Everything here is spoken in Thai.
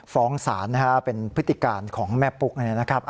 ฟ้องศาลนะฮะเป็นพฤติการของแม่ปุ๊กนะครับ